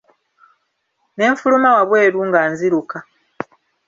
Ne nfuluma wabweru nga nziruka.